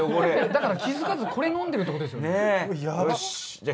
だから気付かずこれ飲んでるって事ですよね。